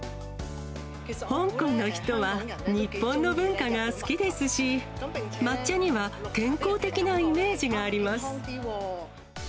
香港の人は日本の文化が好きですし、抹茶には健康的なイメージがあります。